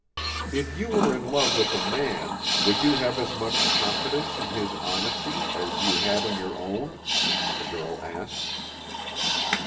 "If you were in love with a man, would you have as much confidence in his honesty as you had in your own?" the girl asked.